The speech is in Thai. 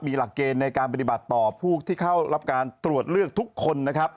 มีหลักเกณฑ์ในการปฏิบัติต่อผู้ที่เข้ารับการตรวจเลือกทุกคนนะครับ